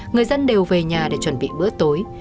người dân đều về nhà để chuẩn bị bữa tối